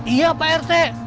iya pak rt